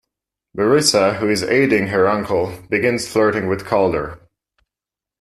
Marisa, who is aiding her uncle, begins flirting with Calder.